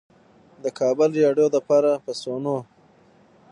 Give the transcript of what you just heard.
د کابل رېډيؤ دپاره پۀ سوونو